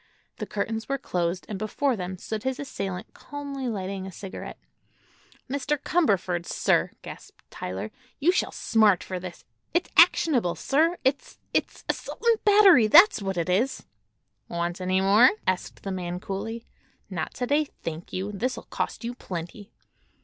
The curtains were closed and before them stood his assailant calmly lighting a cigarette. "Mr. Cumberford, sir," gasped Tyler, "you shall smart for this! It's actionable, sir. It's—it's—assault 'n' battery; that's what it is!" "Want any more?" asked the man coolly. "Not to day, thank you. This'll cost you plenty."